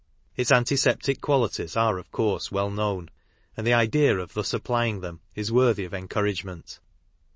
Its antiseptic qualities are of course well known and the idea of thus applying them is worthy of encouragement.